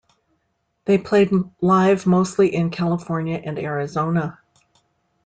They played live mostly in California and Arizona.